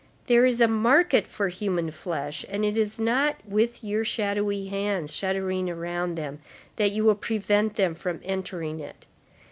There is a market for human flesh; and it is not with your shadowy hands, shuddering around them, that you will prevent them from entering it!